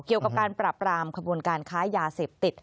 เกี่ยวกับการปรับรามขบวนการค้ายาเสพติด